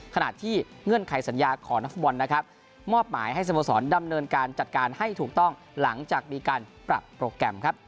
ขณะที่เงื่อนไขสัญญาของนักฟุตบอลนะครับมอบหมายให้สโมสรดำเนินการจัดการให้ถูกต้องหลังจากมีการปรับโปรแกรมครับ